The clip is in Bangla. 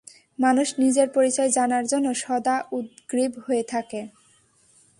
মানুষ নিজের পরিচয় জানার জন্য সদা উদগ্রীব হয়ে থাকে।